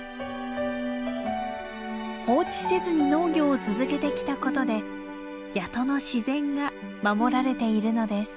放置せずに農業を続けてきたことで谷戸の自然が守られているのです。